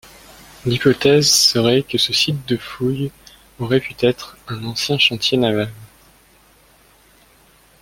L'hypothèse serait que ce site de fouille aurait pu être un ancien chantier naval.